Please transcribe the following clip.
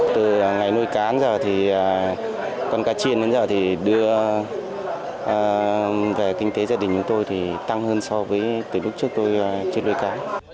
từ ngày nuôi cá giờ thì con cá chiên đến giờ thì đưa về kinh tế gia đình chúng tôi thì tăng hơn so với từ lúc trước tôi chết nuôi cá